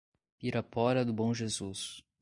Pirapora do Bom Jesus